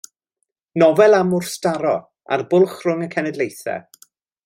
Nofel am wrthdaro a'r bwlch rhwng y cenedlaethau.